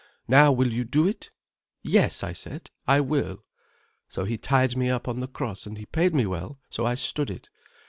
Now will you do it? 'Yes!' I said, 'I will.' So he tied me up on the cross. And he paid me well, so I stood it.